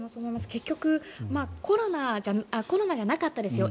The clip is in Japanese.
結局コロナじゃなかったですよ